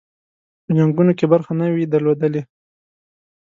په جنګونو کې برخه نه وي درلودلې.